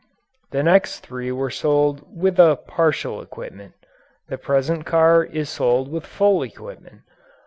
The next three were sold with a partial equipment. The present car is sold with full equipment.